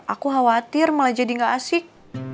aku khawatir malah jadi gak asik